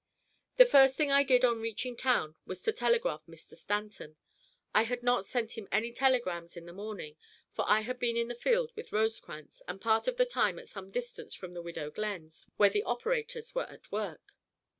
The first thing I did on reaching town was to telegraph Mr. Stanton. I had not sent him any telegrams in the morning, for I had been in the field with Rosecrans, and part of the time at some distance from the Widow Glenn's, where the operators were at work.